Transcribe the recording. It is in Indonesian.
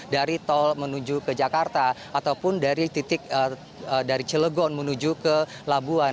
dari tol menuju ke jakarta ataupun dari titik dari cilegon menuju ke labuan